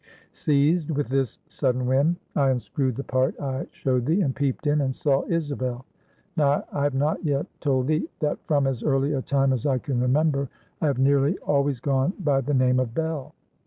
Seized with this sudden whim, I unscrewed the part I showed thee, and peeped in, and saw 'Isabel.' Now I have not yet told thee, that from as early a time as I can remember, I have nearly always gone by the name of Bell.